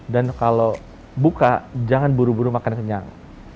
dan kalau buka jangan buru buru makan kenyang